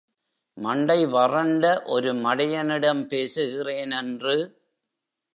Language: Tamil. மண்டை வறண்ட ஒரு மடையனிடம் பேசுறேனென்று.